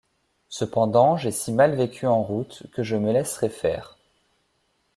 Cependant, j’ai si mal vécu en route, que je me laisserai faire.